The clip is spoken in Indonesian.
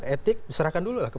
etik diserahkan dulu lah